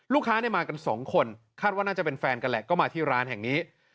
มากันสองคนคาดว่าน่าจะเป็นแฟนกันแหละก็มาที่ร้านแห่งนี้